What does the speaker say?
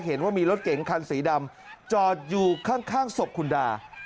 เห็นว่ามีรถเก๋งคันสีดำจอดอยู่ข้างศพคุณดา